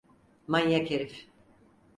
Manyak herif!